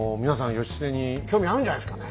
義経に興味あるんじゃないですかね。